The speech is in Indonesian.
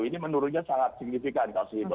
ini menurunnya sangat signifikan kasus itu